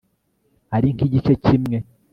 ari nk igice kimwe